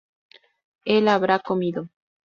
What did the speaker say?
él habrá comido